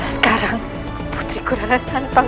sekarang putriku larasantang